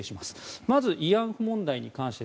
まず慰安婦問題に関して。